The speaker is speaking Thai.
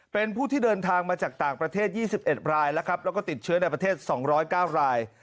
เป็นผู้ที่เดินทางมาจากต่างประเทศ๒๑รายแล้วก็ติดเชื้อในประเทศ๒๐๙ราย